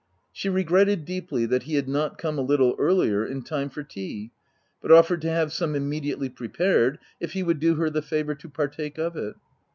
She regretted deeply that he had not come a little earlier, in time for tea, but offered to have some immediately prepared, if he would do her the favour to partake of it.